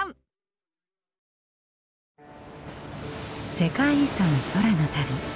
「世界遺産空の旅」。